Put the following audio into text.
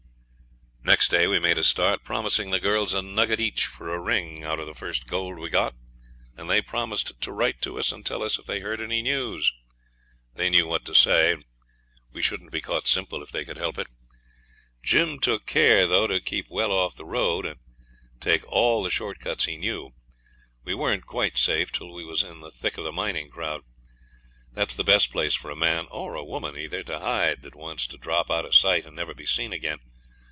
Next day we made a start, promising the girls a nugget each for a ring out of the first gold we got, and they promised to write to us and tell us if they heard any news. They knew what to say, and we shouldn't be caught simple if they could help it. Jim took care, though, to keep well off the road, and take all the short cuts he knew. We weren't quite safe till we was in the thick of the mining crowd. That's the best place for a man, or woman either, to hide that wants to drop out of sight and never be seen again.